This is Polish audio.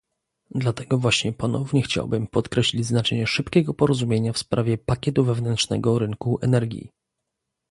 Dlatego właśnie ponownie chciałbym podkreślić znaczenie szybkiego porozumienia w sprawie pakietu wewnętrznego rynku energii